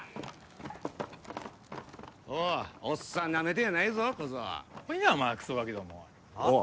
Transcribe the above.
おいおっさんなめてんやないぞ小僧来いやお前クソガキどもああ？